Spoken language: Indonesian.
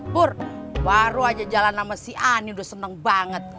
pur baru aja jalan sama si a ini udah seneng banget